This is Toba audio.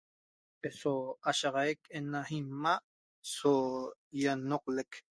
So ashaxaic ena ima' so ianoqolec